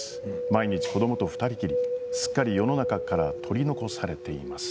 毎日、子どもと２人きりすっかり世の中から取り残されています。